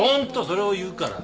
それを言うから。